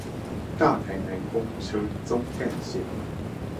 大台南公車棕幹線